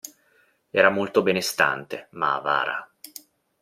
Era molto benestante, ma avara.